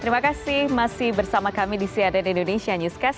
terima kasih masih bersama kami di cnn indonesia newscast